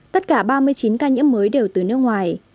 tất cả ba mươi chín ca nhiễm mới đều từ nước ngoài